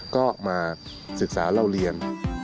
ก็มาศึกษาเล่าเรียน